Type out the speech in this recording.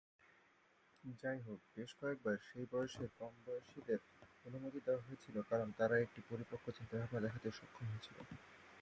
যাইহোক, বেশ কয়েকবার সেই বয়সের কম বয়সীদের অনুমতি দেওয়া হয়েছিল কারণ তারা একটি পরিপক্ক চিন্তাভাবনা দেখাতে সক্ষম হয়েছিল।